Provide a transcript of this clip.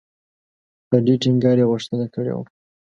په ډېر ټینګار یې غوښتنه کړې وه.